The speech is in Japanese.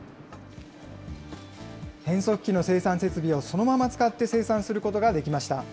変速機の生産設備をそのまま使って生産することができました。